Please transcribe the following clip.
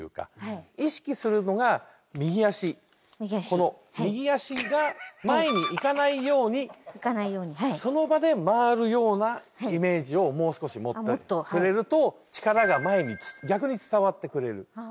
この右足が前にいかないようにその場で回るようなイメージをもう少し持って振れると力が前に逆に伝わってくれる。